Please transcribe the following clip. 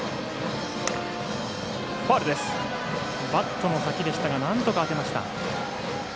バットの先でしたがなんとか当てました。